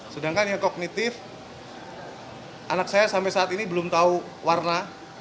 sedangkan yang kognitif anak saya sampai saat ini belum tahu warna